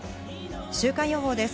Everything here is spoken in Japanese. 週間予報です。